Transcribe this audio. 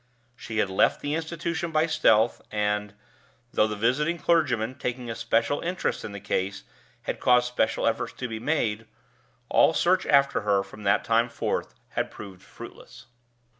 She had left the institution by stealth; and though the visiting clergyman, taking a special interest in the case, had caused special efforts to be made all search after her, from that time forth, had proved fruitless.